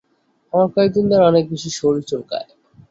আমার কয়েকদিন ধরে অনেক বেশি শরীর চুলকায়।